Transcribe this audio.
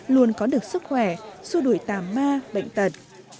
luôn có được sức khỏe xua đuổi tà ma bệnh tật